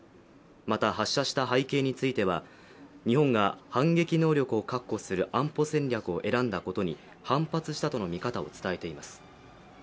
また、発射した背景については日本が反撃能力を確保する安保戦略を選んだことに反発したとの見方を伝えています。